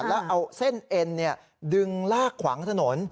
แล้วเอาเส้นเอ็นดึงลากขวางถนน